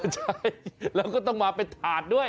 ใช่แล้วก็ต้องมาเป็นถาดด้วย